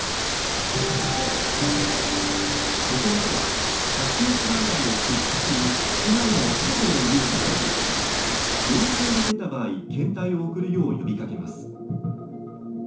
保健所は、発熱外来を設置する区内のすべての医療機関に陽性が出た場合検体を送るよう呼びかけます。